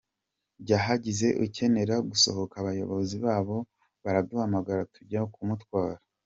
Iyo hagize ukenera gusohoka abayobozi babo baraduhamagara tukajya kumutwara.